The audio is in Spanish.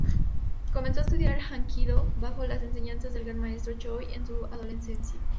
Comenzó a estudiar "hapkido" bajo las enseñanzas del Gran Maestro Choi en su adolescencia.